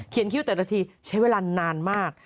คิ้วแต่ละทีใช้เวลานานมาก